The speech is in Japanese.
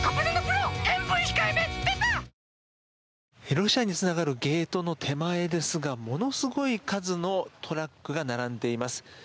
ロシアにつながるゲートの手前ですがものすごい数のトラックが並んでいます。